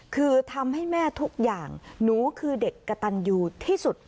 คือทำให้แม่ทุกอย่างหนูคือเด็กกระตันยูที่สุด